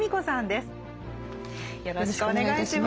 よろしくお願いします。